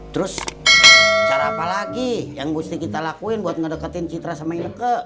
terus cara apa lagi yang mesti kita lakuin buat ngedekatin citra sama ibu